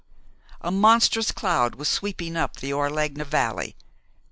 A monstrous cloud was sweeping up the Orlegna Valley.